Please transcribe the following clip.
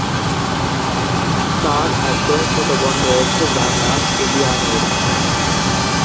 তার একজন ছোট বোন রয়েছে, যার নাম এলিয়ানোর।